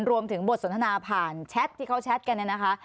รวมถึงบทสนทนาผ่านแชทที่เขาแชทกันเนี่ยนะคะ